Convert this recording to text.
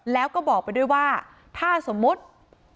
แล้วก็บอกไปด้วยว่าถ้าสมมุติ